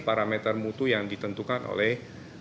parameter mutu yang ditentukan oleh